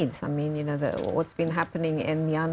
dan tentu saja ini adalah sesuatu yang diperlukan oleh dunia